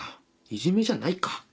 いじめじゃないか？